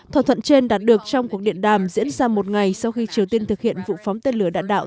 thỏa thuận trên đạt được trong cuộc điện đàm diễn ra một ngày sau khi triều tiên thực hiện vụ phóng tên lửa đạn đạo